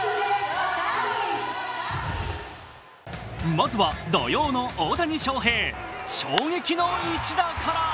まずは土曜の大谷翔平、衝撃の一打から。